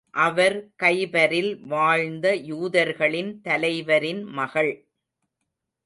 அவர் கைபரில் வாழ்ந்த யூதர்களின் தலைவரின் மகள்.